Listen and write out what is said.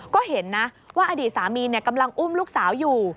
ก็เห็นนะว่าอดีตสามีกำลังอุ้มลูกสาวอยู่